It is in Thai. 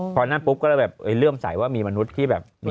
พอนั่นปุ๊บก็เลยแบบเริ่มใสว่ามีมนุษย์ที่แบบ